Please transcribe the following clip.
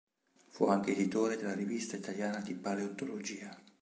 Fu anche editore della "Rivista italiana di paleontologia".